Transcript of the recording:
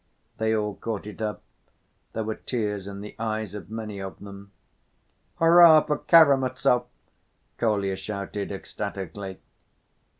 they all caught it up. There were tears in the eyes of many of them. "Hurrah for Karamazov!" Kolya shouted ecstatically.